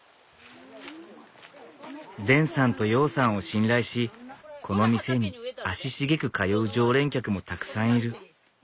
デンさんと陽さんを信頼しこの店に足しげく通う常連客もたくさんいる。